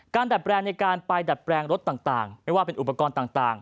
ดัดแปลงในการไปดัดแปลงรถต่างไม่ว่าเป็นอุปกรณ์ต่าง